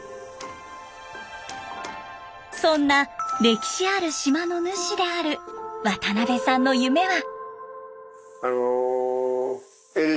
そんな歴史ある島の主である渡邊さんの夢は。